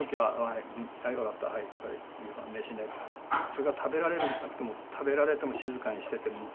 それが食べられなくても食べられても静かにしてて。